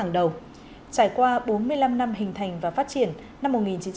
đầu trải qua bốn mươi năm năm hình thành và phát triển năm một nghìn chín trăm bảy mươi tám hai nghìn hai mươi ba